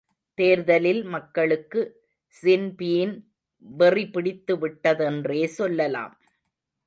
தேர்தலில் மக்களுக்கு ஸின்பீன் வெறி பிடித்துவிட்டதென்றே சொல்லலாம்.